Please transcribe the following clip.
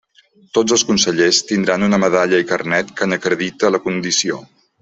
Tots els consellers tindran una medalla i carnet que n'acredite la condició.